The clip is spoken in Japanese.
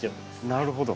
なるほど。